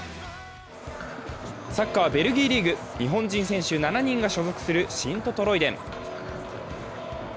サッカー、ベルギーリーグ。日本人選手７人が所属するシント＝トロイデン。